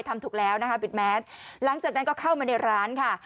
ทำถูกแล้วนะคะบิดแมสหลังจากนั้นก็เข้ามาในร้านค่ะ